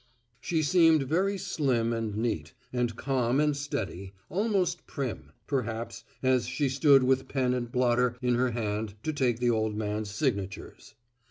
She seemed very slim and neat, and calm and steady almost prim, perhaps, as she stood with pen and blotter in her hand to take the old man's signatures.